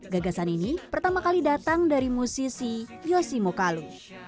gagasan ini pertama kali datang dari musisi yosimo kalu